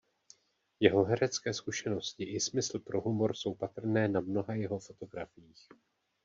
Jeho herecké zkušenosti i smysl pro humor jsou patrné na mnoha jeho fotografiích.